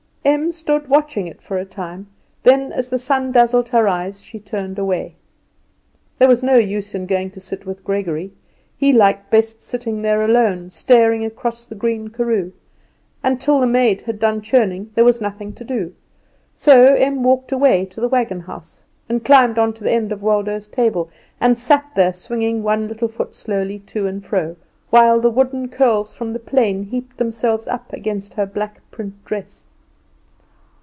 Em stood watching it for a time, then as the sun dazzled her eyes she turned away. There was no use in going to sit with Gregory! he liked best sitting there alone, staring across the the green karoo; and till the maid had done churning there was nothing to do; so Em walked away to the wagon house, and climbed on to the end of Waldo's table, and sat there, swinging one little foot slowly to and fro, while the wooden curls from the plane heaped themselves up against her black print dress.